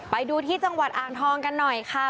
ไปดูที่จังหวัดอ่างทองกันหน่อยค่ะ